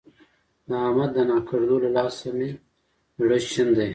د احمد د ناکړدو له لاسه مې زړه شين دی.